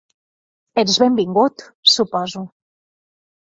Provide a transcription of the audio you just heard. Ets benvingut, suposo.